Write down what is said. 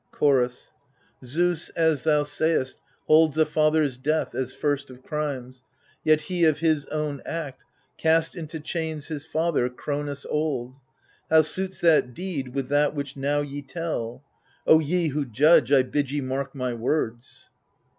Chorus Zeus, as thou sayest, holds a father's death As first of crimes, — yet he of his own act Cast into chains his father, Cronos old : How suits that deed with that which now ye tell ? O ye who judge, I bid ye mark my words